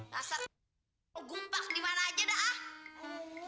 rasa gumpak dimana aja dah